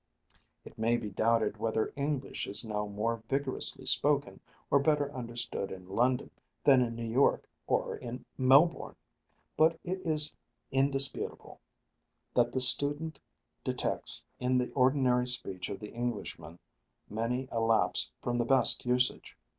It may be doubted whether English is now more vigorously spoken or better understood in London than in New York or in Melbourne; but it is indisputable that the student detects in the ordinary speech of the Englishman many a lapse from the best usage.